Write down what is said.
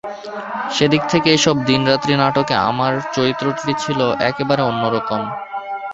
সেদিক থেকে এইসব দিনরাত্রি নাটকে আমার চরিত্রটি ছিল একেবারে অন্য রকম।